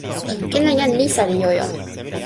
ken la jan Lisa li jo e ona.